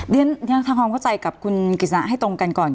เรียนทำความเข้าใจกับคุณกิจสนะให้ตรงกันก่อน